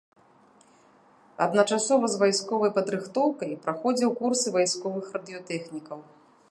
Адначасова з вайсковай падрыхтоўкай праходзіў курсы вайсковых радыётэхнікаў.